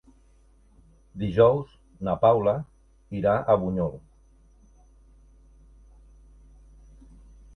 Dijous na Paula irà a Bunyol.